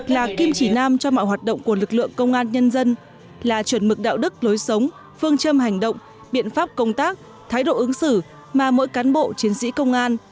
là kim chỉ nam cho mọi hoạt động của lực lượng công an nhân dân là chuẩn mực đạo đức lối sống phương châm hành động biện pháp công tác thái độ ứng xử mà mỗi cán bộ chiến sĩ công an